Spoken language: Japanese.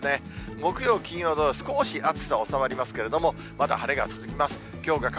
木曜、金曜、土曜、少し暑さ収まりますけれども、まだ晴れが続きます。